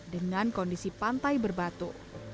berkondisi pantai berbatu